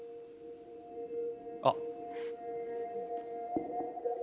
あっ。